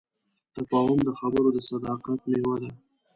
تفاهم د خبرو د صداقت میوه ده.